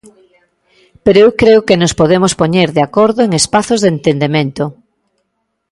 Pero eu creo que nos podemos poñer de acordo en espazos de entendemento.